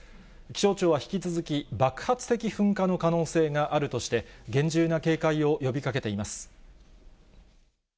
気象庁は引き続き、爆発的噴火の可能性があるとして、厳重な警戒を呼びかけています。